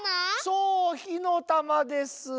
そうひのたまです。